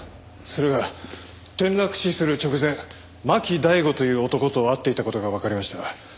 それが転落死する直前巻大吾という男と会っていた事がわかりました。